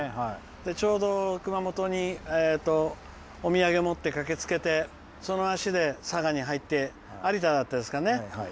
ちょうど熊本にお土産持って駆けつけてその足で佐賀に入って有田だったですかね。